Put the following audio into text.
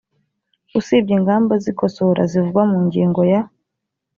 usibye ingamba zikosora zivugwa mu ngingo ya